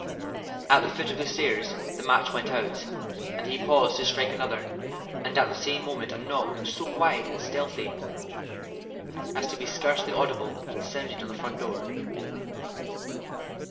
At the foot of the stairs the match went out, and he paused to strike another; and at the same moment a knock, so quiet and stealthy as to be scarcely audible, sounded on the front door.